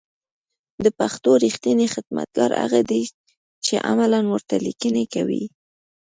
د پښتو رېښتينی خدمتگار هغه دی چې عملاً ورته ليکنې کوي